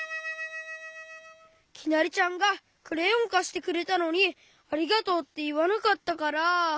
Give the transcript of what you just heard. きなりちゃんがクレヨンかしてくれたのに「ありがとう」っていわなかったから。